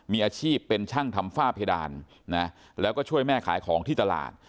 มีอาชีพเป็นช่างทำฝ้าเพดานนะแล้วก็ช่วยแม่ขายของที่ตลาด